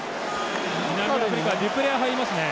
南アフリカデュプレア入りますね。